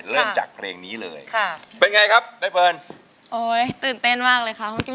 สองหมื่นบาท